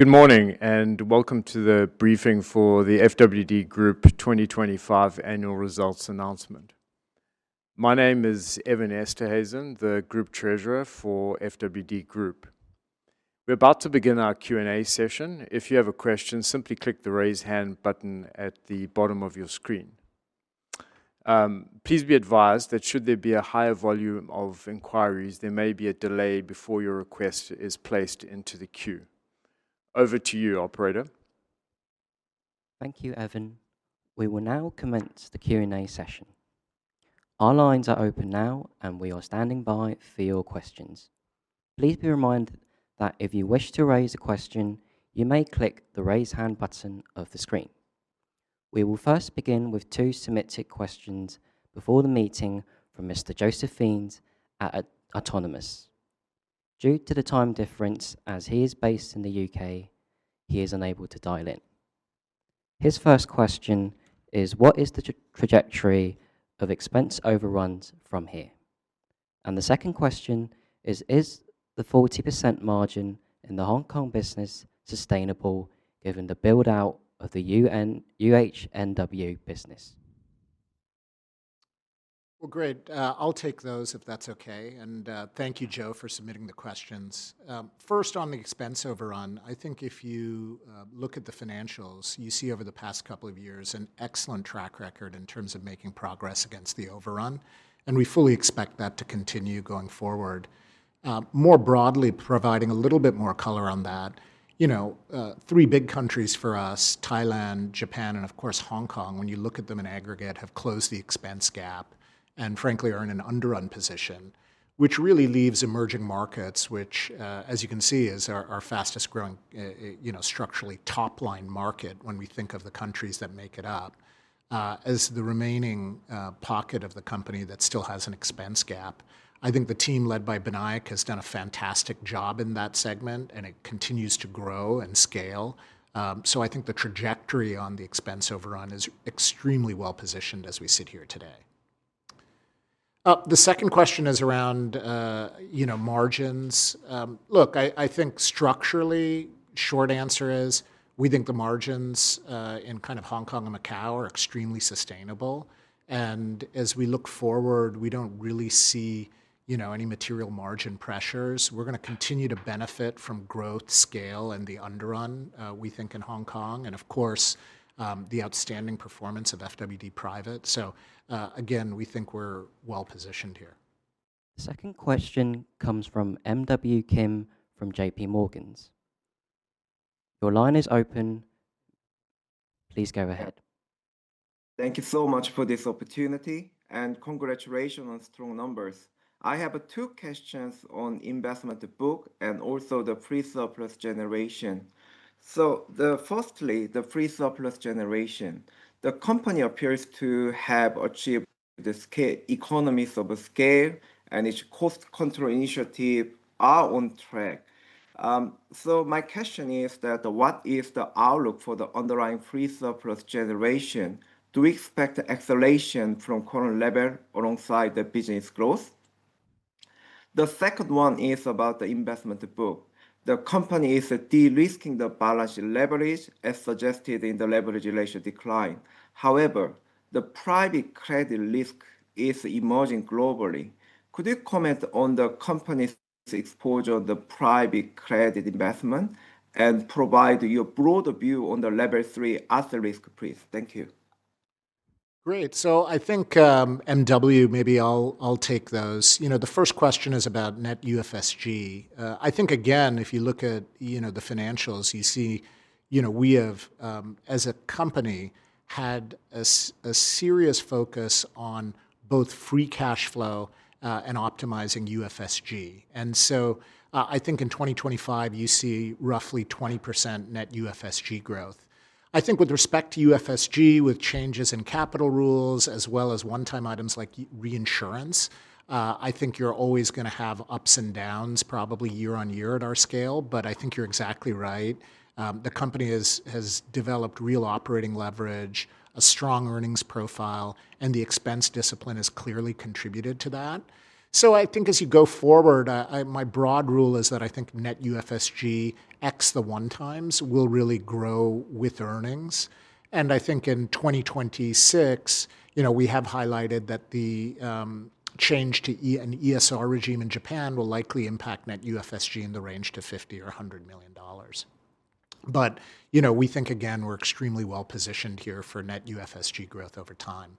Good morning, and welcome to the briefing for the FWD Group 2025 annual results announcement. My name is Evan Esterhuizen, Group Treasurer for FWD Group. We're about to begin our Q&A session. If you have a question, simply click the raise hand button at the bottom of your screen. Please be advised that should there be a higher volume of inquiries, there may be a delay before your request is placed into the queue. Over to you, operator. Thank you, Evan. We will now commence the Q&A session. Our lines are open now, and we are standing by for your questions. Please be reminded that if you wish to raise a question, you may click the raise hand button on the screen. We will first begin with two submitted questions before the meeting from Mr. Joseph Fenn at Autonomous Research. Due to the time difference, as he is based in the U.K., he is unable to dial in. His first question is: What is the trajectory of expense overruns from here? And the second question is: Is the 40% margin in the Hong Kong business sustainable given the build-out of the UHNW business? Well, great. I'll take those if that's okay, and thank you, Joe, for submitting the questions. First on the expense overrun, I think if you look at the financials, you see over the past couple of years an excellent track record in terms of making progress against the overrun, and we fully expect that to continue going forward. More broadly, providing a little bit more color on that, you know, three big countries for us, Thailand, Japan, and of course Hong Kong, when you look at them in aggregate, have closed the expense gap and frankly are in an underrun position, which really leaves emerging markets, which, as you can see, is our fastest growing, you know, structurally top-line market when we think of the countries that make it up, as the remaining pocket of the company that still has an expense gap. I think the team led by Binayak has done a fantastic job in that segment, and it continues to grow and scale. I think the trajectory on the expense overrun is extremely well-positioned as we sit here today. The second question is around, you know, margins. Look, I think structurally, short answer is we think the margins in kind of Hong Kong and Macau are extremely sustainable, and as we look forward, we don't really see, you know, any material margin pressures. We're gonna continue to benefit from growth, scale, and the underrun we think in Hong Kong, and of course, the outstanding performance of FWD Private. Again, we think we're well-positioned here. The second question comes from MW Kim from J.P. Morgan. Your line is open. Please go ahead. Thank you so much for this opportunity, and congratulations on strong numbers. I have two questions on investment book and also the free surplus generation. Firstly, the free surplus generation. The company appears to have achieved the economies of scale, and its cost control initiative are on track. My question is that what is the outlook for the underlying free surplus generation? Do we expect acceleration from current level alongside the business growth? The second one is about the investment book. The company is de-risking the balance sheet leverage, as suggested in the leverage ratio decline. However, the private credit risk is emerging globally. Could you comment on the company's exposure on the private credit investment and provide your broader view on the Level 3 other risk, please? Thank you. Great. I think, MW, maybe I'll take those. You know, the first question is about net UFSG. I think again, if you look at, you know, the financials, you see, you know, we have, as a company, had a serious focus on both free cash flow and optimizing UFSG. I think in 2025, you see roughly 20% net UFSG growth. I think with respect to UFSG, with changes in capital rules as well as one-time items like reinsurance, I think you're always gonna have ups and downs probably year on year at our scale, but I think you're exactly right. The company has developed real operating leverage, a strong earnings profile, and the expense discipline has clearly contributed to that. I think as you go forward, my broad rule is that I think net UFSG ex the one-times will really grow with earnings. I think in 2026, you know, we have highlighted that the change to an ESR regime in Japan will likely impact net UFSG in the range of $50-$100 million. You know, we think again, we're extremely well-positioned here for net UFSG growth over time.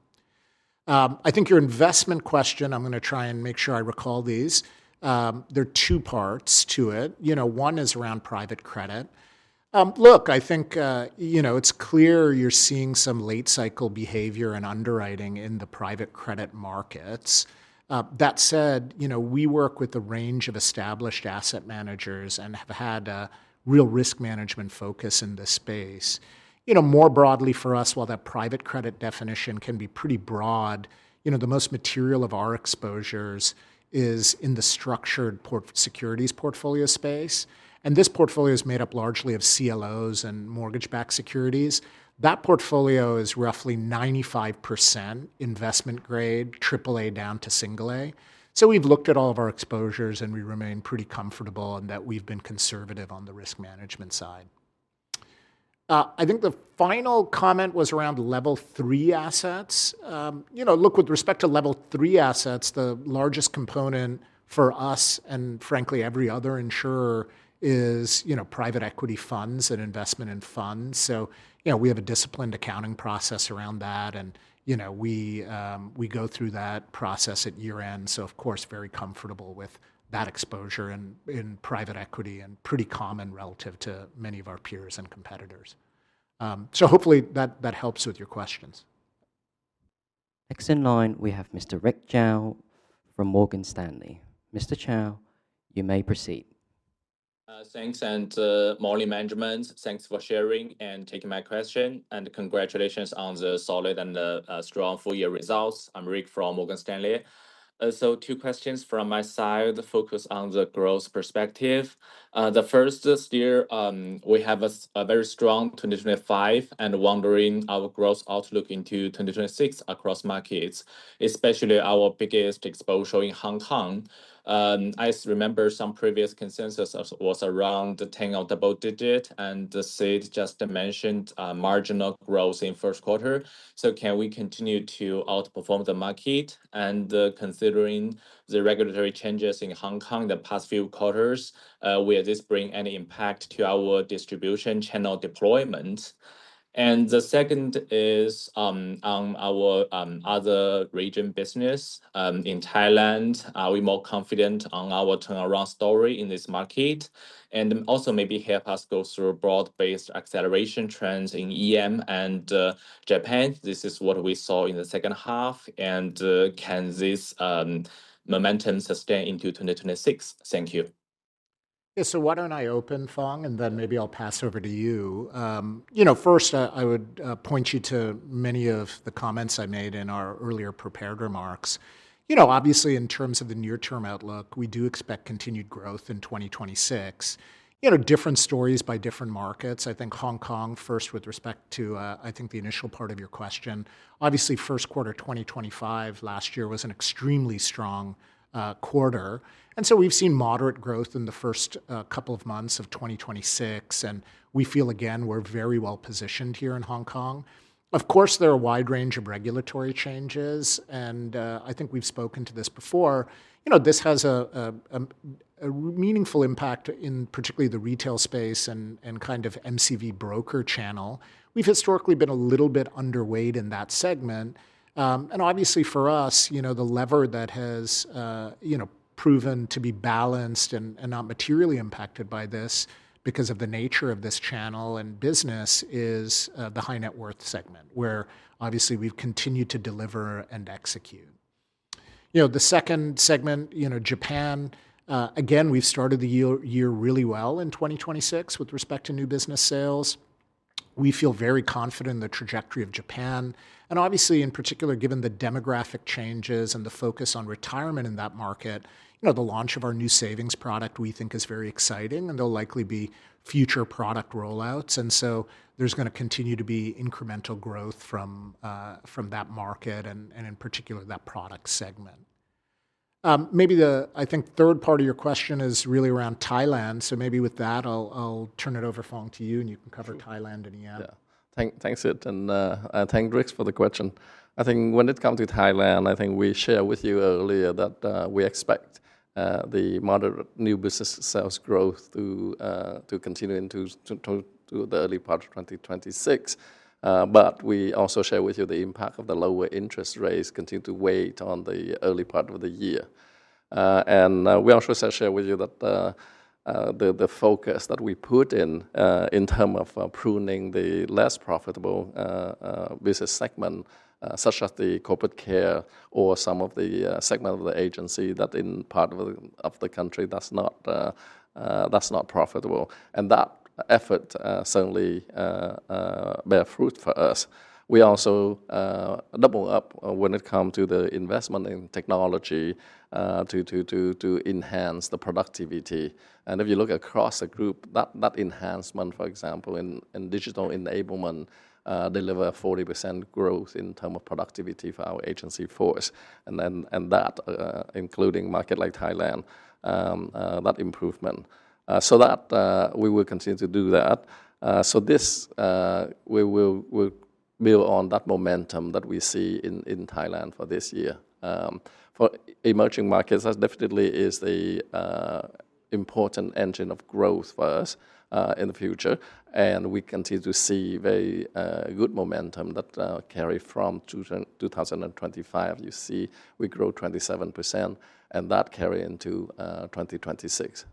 I think your investment question, I'm gonna try and make sure I recall these. There are two parts to it. You know, one is around private credit. Look, I think, you know, it's clear you're seeing some late-cycle behavior and underwriting in the private credit markets. That said, you know, we work with a range of established asset managers and have had a real risk management focus in this space. You know, more broadly for us, while that private credit definition can be pretty broad, you know, the most material of our exposures is in the structured securities portfolio space, and this portfolio is made up largely of CLOs and mortgage-backed securities. That portfolio is roughly 95% investment grade, AAA down to A. We've looked at all of our exposures, and we remain pretty comfortable in that we've been conservative on the risk management side. I think the final comment was around Level 3 assets. You know, look, with respect to Level 3 assets, the largest component for us and frankly every other insurer is, you know, private equity funds and investment in funds. You know, we have a disciplined accounting process around that and, you know, we go through that process at year-end, so of course very comfortable with that exposure in private equity, and pretty common relative to many of our peers and competitors. Hopefully that helps with your questions. Next in line we have Mr. Rick Zhao from Morgan Stanley. Mr. Zhao, you may proceed. Thanks, morning management. Thanks for sharing and taking my question, and congratulations on the solid and the strong full year results. I'm Rick Zhao from Morgan Stanley. Two questions from my side focus on the growth perspective. The first is here, we have a very strong 2025 and wondering our growth outlook into 2026 across markets, especially our biggest exposure in Hong Kong. I remember some previous consensus was around 10% or double-digit, and Sid just mentioned marginal growth in first quarter. Can we continue to outperform the market? Considering the regulatory changes in Hong Kong the past few quarters, will this bring any impact to our distribution channel deployment? The second is on our other region business. In Thailand, are we more confident on our turnaround story in this market? Also maybe help us go through broad-based acceleration trends in EM and Japan. This is what we saw in the second half. Can this momentum sustain into 2026? Thank you. Yeah. Why don't I open, Phong, and then maybe I'll pass over to you. You know, first I would point you to many of the comments I made in our earlier prepared remarks. You know, obviously in terms of the near-term outlook, we do expect continued growth in 2026. You know, different stories by different markets. I think Hong Kong, first with respect to, I think the initial part of your question. Obviously first quarter 2025 last year was an extremely strong quarter. We've seen moderate growth in the first couple of months of 2026, and we feel again, we're very well positioned here in Hong Kong. Of course, there are a wide range of regulatory changes and, I think we've spoken to this before. You know, this has a meaningful impact in particular the retail space and kind of MCV broker channel. We've historically been a little bit underweight in that segment. Obviously for us, you know, the lever that has, you know, proven to be balanced and not materially impacted by this because of the nature of this channel and business is the high net worth segment where obviously we've continued to deliver and execute. You know, the second segment, you know, Japan, again, we've started the year really well in 2026 with respect to new business sales. We feel very confident in the trajectory of Japan. Obviously in particular, given the demographic changes and the focus on retirement in that market, you know, the launch of our new savings product we think is very exciting, and there'll likely be future product rollouts. There's gonna continue to be incremental growth from that market and in particular that product segment. Maybe the, I think third part of your question is really around Thailand, so maybe with that I'll turn it over, Phong, to you and you can cover Thailand and EM. Sure. Yeah. Thanks, Sid and thanks, Rick for the question. I think when it come to Thailand, I think we share with you earlier that we expect the moderate new business sales growth to continue into the early part of 2026. But we also share with you the impact of the lower interest rates continue to weigh on the early part of the year. We also share with you that the focus that we put in terms of pruning the less profitable business segment, such as the corporate care or some of the segment of the agency that in parts of the country that's not profitable. That effort certainly bear fruit for us. We also double up when it come to the investment in technology to enhance the productivity. If you look across the group, that enhancement, for example in digital enablement, deliver 40% growth in terms of productivity for our agency force. That including market like Thailand that improvement. We will continue to do that. This we will build on that momentum that we see in Thailand for this year. For emerging markets, that definitely is the important engine of growth for us in the future. We continue to see very good momentum that carry from 2025. You see we grow 27%, and that carry into 2026.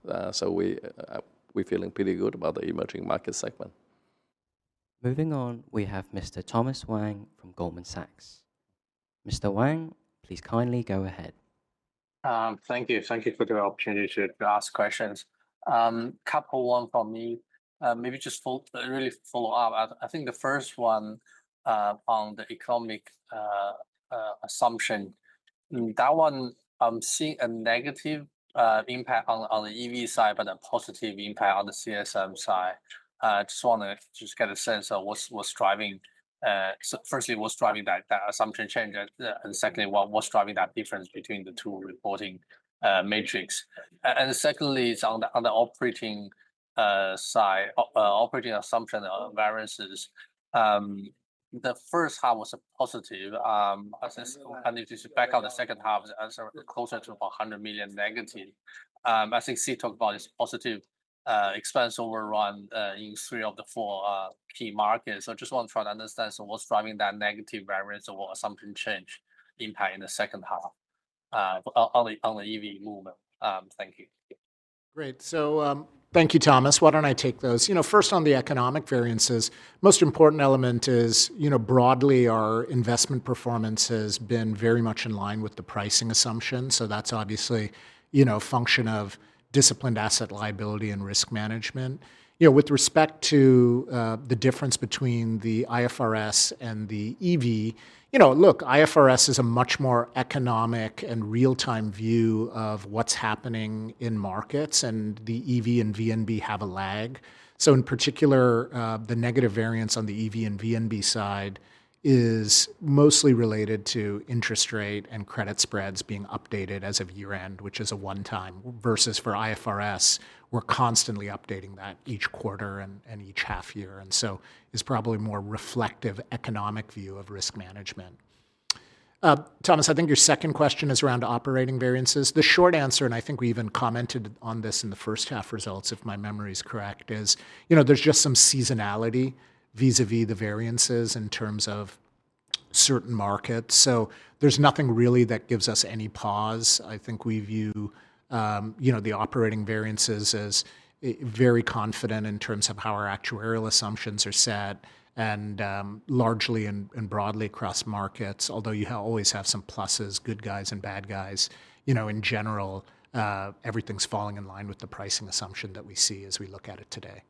We're feeling pretty good about the emerging market segment. Moving on, we have Mr. Thomas Wang from Goldman Sachs. Mr. Wang, please kindly go ahead. Thank you. Thank you for the opportunity to ask questions. Couple one from me. Maybe just really follow up. I think the first one on the economic assumption. That one I'm seeing a negative impact on the EV side, but a positive impact on the CSM side. Just wanna get a sense of what's driving, so firstly, what's driving that assumption change. Secondly, what's driving that difference between the two reporting metrics? Secondly is on the operating side, operating assumption variances. The first half was a positive if you back out the second half, the answer closer to $100 million negative. I think Sid talked about this positive expense overrun in three of the four key markets. Just want to try to understand, what's driving that negative variance or what assumption change impact in the second half on the EV movement? Thank you. Great. Thank you, Thomas. Why don't I take those? You know, first, on the economic variances, most important element is, you know, broadly our investment performance has been very much in line with the pricing assumption. That's obviously, you know, function of disciplined asset liability and risk management. You know, with respect to the difference between the IFRS and the EV, you know, look, IFRS is a much more economic and real-time view of what's happening in markets, and the EV and VNB have a lag. In particular, the negative variance on the EV and VNB side is mostly related to interest rate and credit spreads being updated as of year-end, which is a one-time, versus for IFRS, we're constantly updating that each quarter and each half year, and so it's probably more reflective economic view of risk management. Thomas, I think your second question is around operating variances. The short answer, and I think we even commented on this in the first half results, if my memory is correct, is, you know, there's just some seasonality vis-a-vis the variances in terms of certain markets. There's nothing really that gives us any pause. I think we view, you know, the operating variances as very confident in terms of how our actuarial assumptions are set and largely and broadly across markets. Although you always have some pluses, good guys and bad guys, you know, in general, everything's falling in line with the pricing assumption that we see as we look at it today.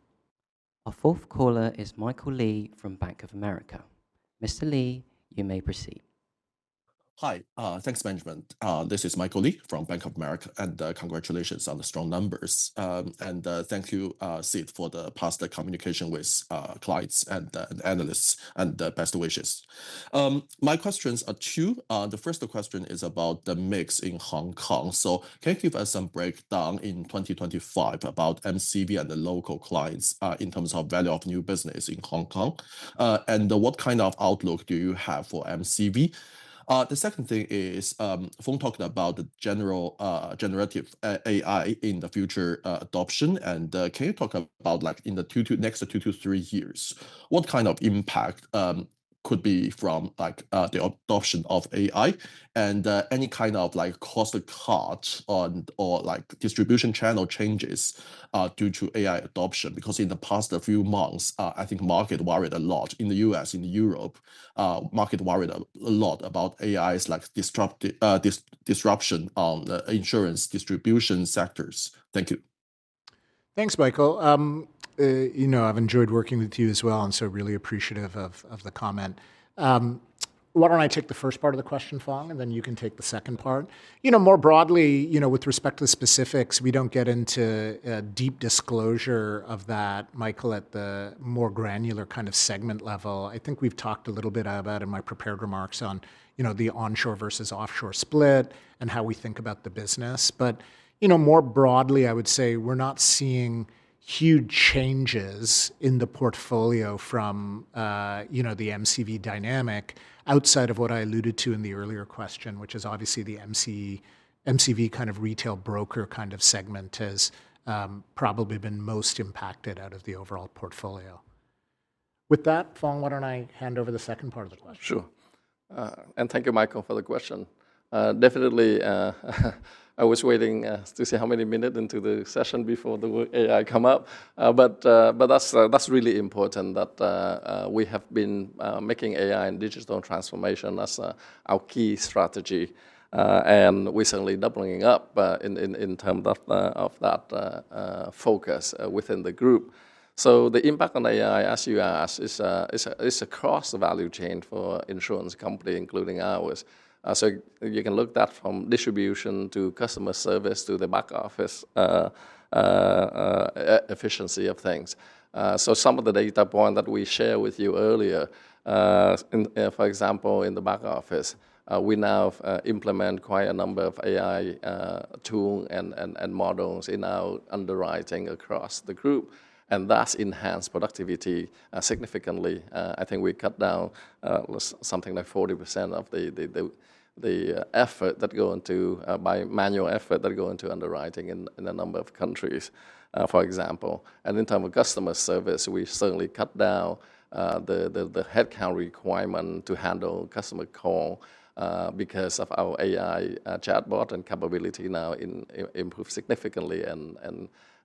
Our fourth caller is Michael Li from Bank of America. Mr. Li, you may proceed. Hi. Thanks, Benjamin. This is Michael Li from Bank of America, and congratulations on the strong numbers. Thank you, Sid, for the past communication with clients and analysts, and best wishes. My questions are two. The first question is about the mix in Hong Kong. Can you give us some breakdown in 2025 about MCV and the local clients, in terms of value of new business in Hong Kong? And what kind of outlook do you have for MCV? The second thing is, Phong talking about the general, generative AI in the future, adoption. Can you talk about, like, in the next two to three years, what kind of impact could be from, like, the adoption of AI and any kind of, like, cost cut on or distribution channel changes due to AI adoption? Because in the past few months, I think market worried a lot. In the U.S., in Europe, market worried a lot about AI's, like, disruption on the insurance distribution sectors. Thank you. Thanks, Michael. You know, I've enjoyed working with you as well, and so really appreciative of the comment. Why don't I take the first part of the question, Phong, and then you can take the second part. You know, more broadly, you know, with respect to the specifics, we don't get into a deep disclosure of that, Michael, at the more granular kind of segment level. I think we've talked a little bit about in my prepared remarks on, you know, the onshore versus offshore split and how we think about the business. You know, more broadly, I would say we're not seeing huge changes in the portfolio from the MCV dynamic outside of what I alluded to in the earlier question, which is obviously the MC-MCV kind of retail broker kind of segment has probably been most impacted out of the overall portfolio. With that, Phong, why don't I hand over the second part of the question? Sure. Thank you, Michael, for the question. Definitely, I was waiting to see how many minutes into the session before the word AI come up. That's really important that we have been making AI and digital transformation as our key strategy, and recently doubling up, in term of that focus within the group. The impact on AI, as you ask, is across the value chain for insurance company, including ours. You can look that from distribution to customer service to the back office, efficiency of things. So some of the data points that we shared with you earlier, for example, in the back office, we now implement quite a number of AI tools and models in our underwriting across the group, and that's enhanced productivity significantly. I think we cut down something like 40% of the manual effort that goes into underwriting in a number of countries, for example. In terms of customer service, we certainly cut down the headcount requirement to handle customer calls because of our AI chatbot and capability now improved significantly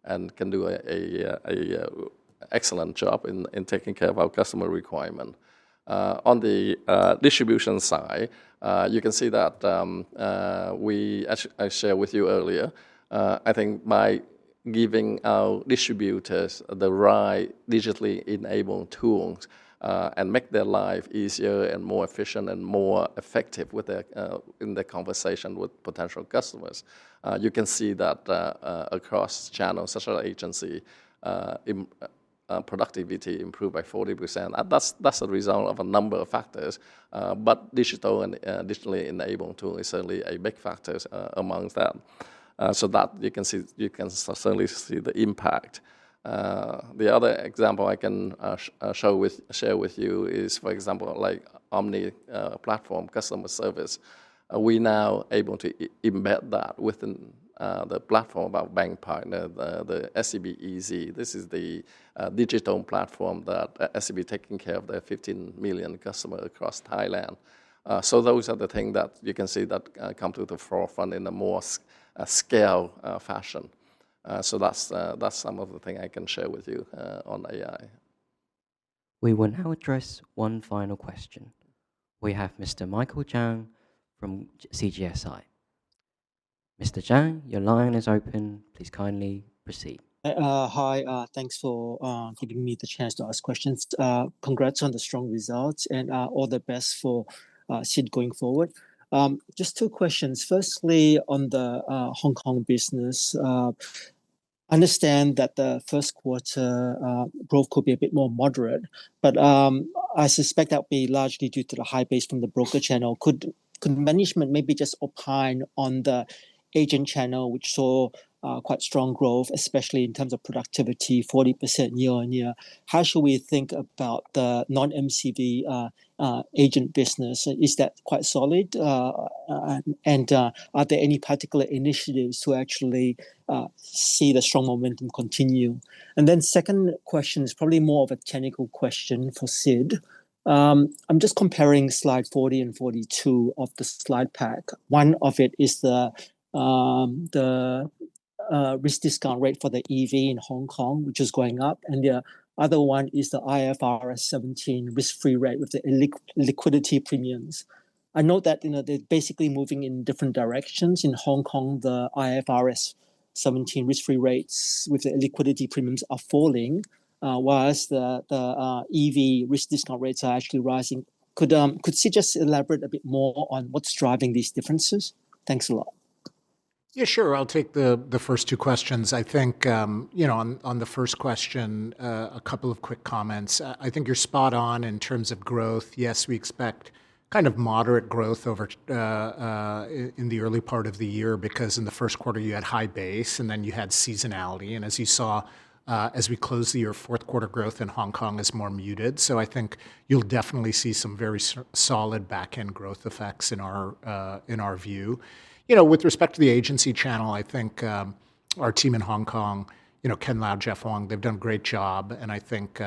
and can do an excellent job in taking care of our customer requirements. On the distribution side, you can see that, as I shared with you earlier, I think by giving our distributors the right digitally enabled tools, and make their life easier and more efficient and more effective with the, in the conversation with potential customers, you can see that, across channels, such as agency, productivity improve by 40%. That's a result of a number of factors, but digital and digitally enabled tool is certainly a big factors, amongst them. You can certainly see the impact. The other example I can share with you is, for example, like Omne platform customer service. We now able to embed that within the platform of our bank partner, the SCB EASY. This is the digital platform that SCB taking care of their 15 million customer across Thailand. Those are the thing that you can see that come to the forefront in a more scale fashion. That's some of the thing I can share with you on AI. We will now address one final question. We have Mr. Michael Chang from CGS International. Mr. Chang, your line is open. Please kindly proceed. Hi. Thanks for giving me the chance to ask questions. Congrats on the strong results and all the best for Sid going forward. Just two questions. Firstly, on the Hong Kong business, understand that the first quarter growth could be a bit more moderate, but I suspect that would be largely due to the high base from the broker channel. Could management maybe just opine on the agent channel which saw quite strong growth, especially in terms of productivity, 40% year-on-year. How should we think about the non-MCV agent business? Is that quite solid? Are there any particular initiatives to actually see the strong momentum continue? Second question is probably more of a technical question for Sid. I'm just comparing slide 40 and 42 of the slide pack. One of it is the risk discount rate for the EV in Hong Kong, which is going up, and the other one is the IFRS 17 risk-free rate with the liquidity premiums. I know that, you know, they're basically moving in different directions. In Hong Kong, the IFRS 17 risk-free rates with the liquidity premiums are falling, whilst the EV risk discount rates are actually rising. Could Sid just elaborate a bit more on what's driving these differences? Thanks a lot. Yeah, sure. I'll take the first two questions. I think you know, on the first question, a couple of quick comments. I think you're spot on in terms of growth. Yes, we expect kind of moderate growth over in the early part of the year because in the first quarter you had high base, and then you had seasonality. As you saw, as we closed the year, fourth quarter growth in Hong Kong is more muted. I think you'll definitely see some very solid back-end growth effects in our view. You know, with respect to the agency channel, I think our team in Hong Kong, you know, Ken Lau, Jeff Wong, they've done a great job. I think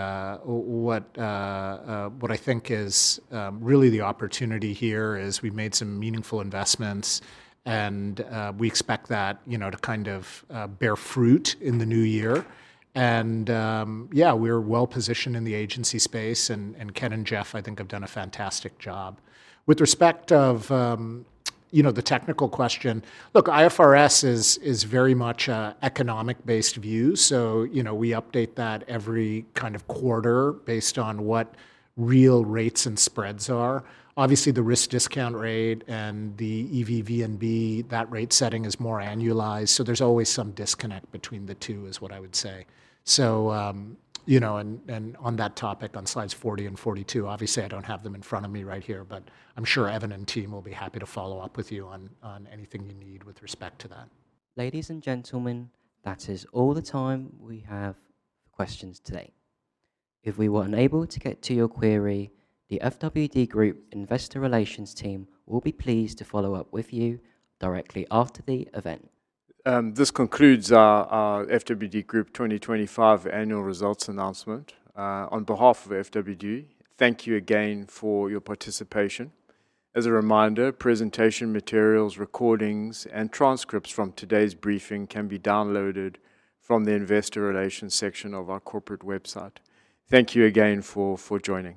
what I think is really the opportunity here is we've made some meaningful investments and we expect that, you know, to kind of bear fruit in the new year. Yeah, we're well-positioned in the agency space and Ken and Jeff, I think, have done a fantastic job. With respect to, you know, the technical question, look, IFRS is very much an economic-based view. You know, we update that every kind of quarter based on what real rates and spreads are. Obviously, the risk discount rate and the EV/VNB, that rate setting is more annualized, so there's always some disconnect between the two is what I would say. On that topic, on slides 40 and 42, obviously I don't have them in front of me right here, but I'm sure Evan and team will be happy to follow up with you on anything you need with respect to that. Ladies and gentlemen, that is all the time we have for questions today. If we were unable to get to your query, the FWD Group Investor Relations team will be pleased to follow up with you directly after the event. This concludes our FWD Group 2025 annual results announcement. On behalf of FWD, thank you again for your participation. As a reminder, presentation materials, recordings, and transcripts from today's briefing can be downloaded from the Investor Relations section of our corporate website. Thank you again for joining.